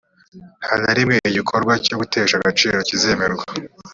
nta na rimwe igikorwa cyo gutesha agaciro kizemerwa